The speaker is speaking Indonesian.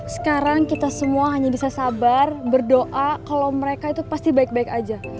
sekarang kita semua hanya bisa sabar berdoa kalau mereka itu pasti baik baik aja